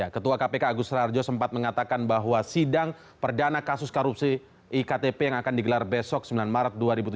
ketua kpk agus rarjo sempat mengatakan bahwa sidang perdana kasus korupsi iktp yang akan digelar besok sembilan maret dua ribu tujuh belas